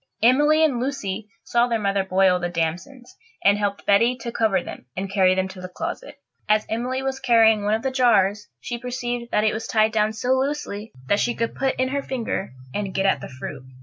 Emily and Lucy saw their mother boil the damsons, and helped Betty to cover them and carry them to the closet. As Emily was carrying one of the jars she perceived that it was tied down so loosely that she could put in her finger and get at the fruit.